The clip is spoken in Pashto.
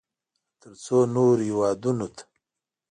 ترڅو نورو هېوادونو ته